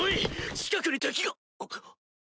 近くに敵が！